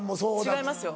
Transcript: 違いますよ